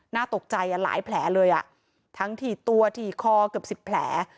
น่าตกใจหลายแผลเลยอ่ะทั้งถี่ตัวถี่คอเกือบ๑๐แผล